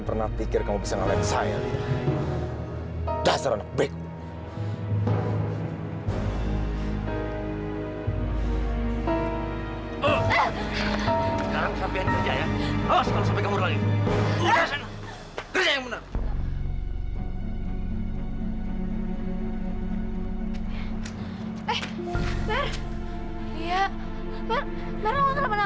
ber ber kau gak kenapa napa kan